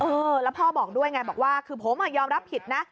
เออแล้วพ่อบอกด้วยไงบอกว่าคือผมยอมรับผิดนะ